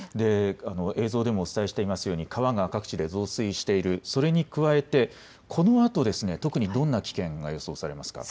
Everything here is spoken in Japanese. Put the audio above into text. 映像でもお伝えしていますように川が各地で増水している、それに加えてこのあとどんな危険が予想されますか。